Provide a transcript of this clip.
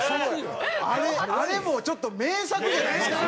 あれあれもちょっと名作じゃないですか？